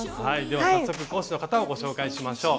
では早速講師の方をご紹介しましょう。